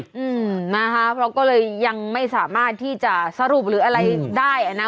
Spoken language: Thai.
อืมนะคะเพราะก็เลยยังไม่สามารถที่จะสรุปหรืออะไรได้อ่ะนะ